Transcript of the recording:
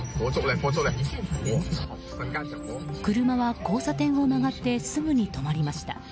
車は交差点を曲がってすぐに止まりました。